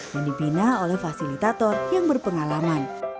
dan dibina oleh fasilitator yang berpengalaman